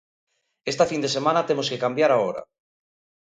Esta fin de semana temos que cambiar a hora.